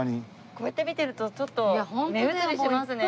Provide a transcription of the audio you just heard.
こうやって見てるとちょっと目移りしますね。